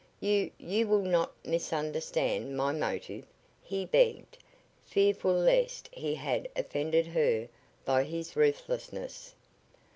You you will not misunderstand my motive?" he begged, fearful lest he had offended her by his ruthlessness.